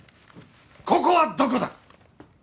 ここはどこだ？